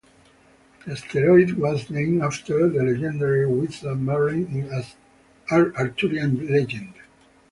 The asteroid was named after the legendary wizard Merlin in Arthurian legend.